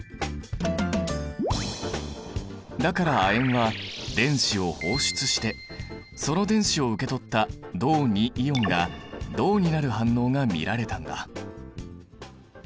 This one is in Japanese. だから亜鉛は電子を放出してその電子を受け取った銅イオンが銅になる反応が見られたんだ。